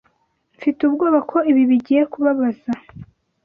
Mfite ubwoba ko ibi bigiye kubabaza.